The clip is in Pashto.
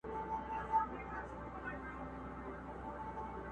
له اوږده سفره ستړي را روان وه؛